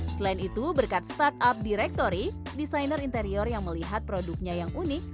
selain itu berkat startup directory desainer interior yang melihat produknya yang unik